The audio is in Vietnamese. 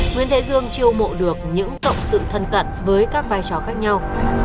nguyên thế giường triều mộ được những cộng sự thân cận với các vai trò khác nhau